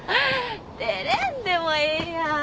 照れんでもええやん。